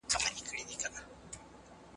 چي ستا په مینه کي ستي الوۍ سي